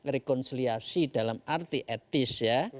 rekonsiliasi dalam arti etis ya